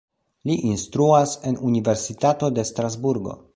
Li instruas en Universitato de Strasburgo.